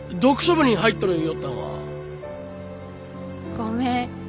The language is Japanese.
ごめん。